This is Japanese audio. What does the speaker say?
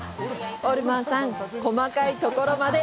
オルマンさん、細かいところまで！